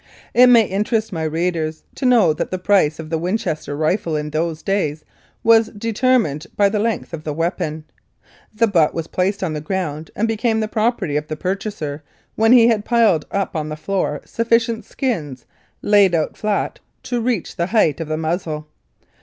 It may interest my readers to know that the price of the Winchester rifle in those days was deter mined by the length of the weapon. The butt was placed on the ground and became the property of the purchaser when he had piled up on the floor sufficient skins, laid out flat, to reach the height of the muzzle.